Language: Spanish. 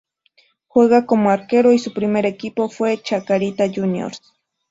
Juega como arquero y su primer equipo fue Chacarita Juniors.